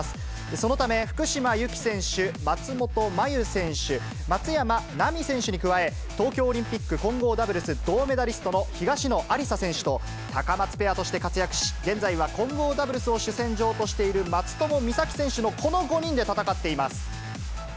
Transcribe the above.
そのため、福島由紀選手、松本麻佑選手、松山奈未選手に加え、東京オリンピック混合ダブルス銅メダリストの東野有紗選手と、タカマツペアとして活躍し、現在は混合ダブルスを主戦場としている松友美佐紀選手のこの５人で戦っています。